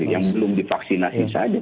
yang belum divaksinasi saja